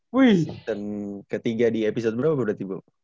season ketiga di episode berapa udah tiba